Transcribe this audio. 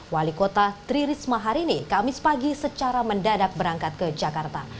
wali kota tri risma hari ini kamis pagi secara mendadak berangkat ke jakarta